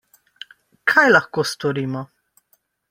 Kaj lahko storimo?